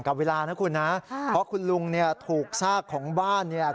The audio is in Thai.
จะเมาคมกู้ภัยข่าวภาพพิศนุโลก